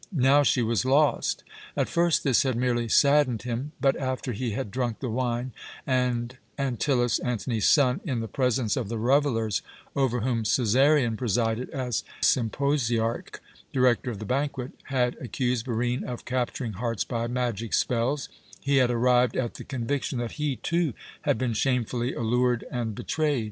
Now she was lost. At first this had merely saddened him, but after he had drunk the wine, and Antyllus, Antony's son, in the presence of the revellers, over whom Cæsarion presided as "symposiarch"* had accused Barine of capturing hearts by magic spells, he had arrived at the conviction that he, too, had been shamefully allured and betrayed.